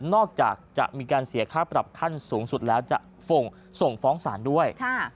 นอกจากจะมีการเสียค่าปรับขั้นสูงสุดแล้วจะส่งฟ้องศาลด้วย